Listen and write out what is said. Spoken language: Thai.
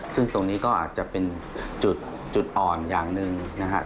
ซึ่งตรงนี้ก็อาจจะเป็นจุดอ่อนอย่างหนึ่งนะครับ